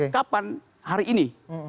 kapan hari ini